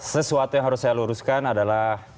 sesuatu yang harus saya luruskan adalah